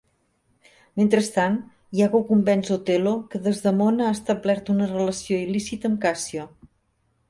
Mentrestant, Iago convenç Othello que Desdemona ha establert una relació il·lícita amb Cassio.